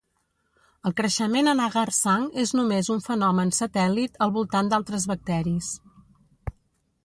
El creixement en agar sang és només un fenomen satèl·lit al voltant d'altres bacteris.